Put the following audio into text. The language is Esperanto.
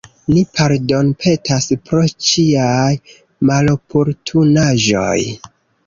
Ni pardonpetas pro ĉiaj maloportunaĵoj.